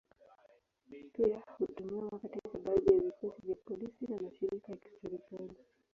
Pia hutumiwa katika baadhi ya vikosi vya polisi na mashirika ya kiserikali.